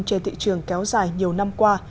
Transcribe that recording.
trên thị trường kéo dài nhiều năm qua